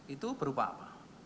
itu berupa apa